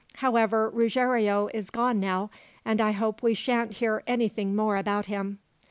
However, Ruggiero is gone now, and I hope we sha'n't hear anything more about him."